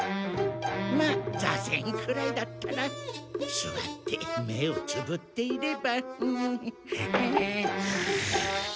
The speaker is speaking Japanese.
まあざぜんくらいだったらすわって目をつぶっていれば。